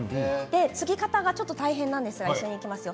つぎ方がちょっと大変なんですが一緒にいきますよ。